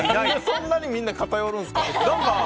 そんなにみんな偏るんですか。